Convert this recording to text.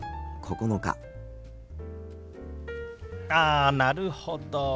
あなるほど。